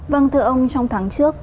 vâng thưa ông trong tháng trước